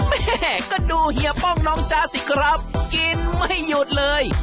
แม่ก็ดูเฮียป้องน้องจ๊ะสิครับกินไม่หยุดเลย